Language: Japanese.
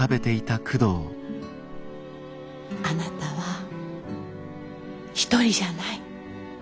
あなたは一人じゃない。